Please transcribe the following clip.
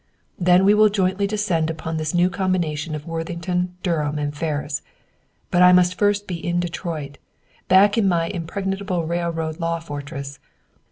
"Then we will jointly descend upon this new combination of Worthington, Durham, and Ferris. But I must first be in Detroit, back in my impregnable railroad law fortress.